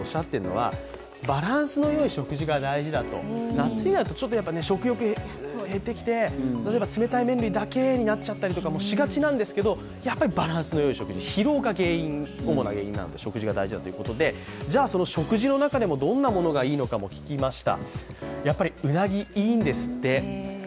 夏だと食欲が減ってきて冷たい麺類だけになってしまったりしがちなんですけどやっぱりバランスのよい食事、披露が原因なので食事が大事だということでじゃあ食事の中でもどんなものがいいか聞きました。